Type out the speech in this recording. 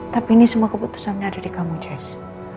tapi ini semua keputusannya ada di kamu jess